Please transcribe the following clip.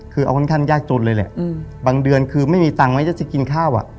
คือเอาค่อนข้างยากจนเลยแหละบางเดือนคือไม่มีตังค์ไว้จะกินข้าวอ่ะ